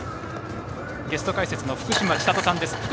ゲスト解説の福島千里さんです。